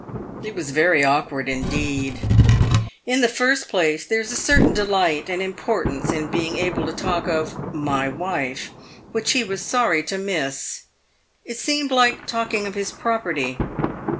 It was very awkward, indeed. In the first place, there is a certain delight and importance in being able to talk of " my wife," which he was sorry to miss. It seemed like talking of his property.